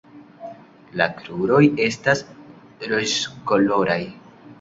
La kruroj estas rozkoloraj.